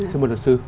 xin mời đột sư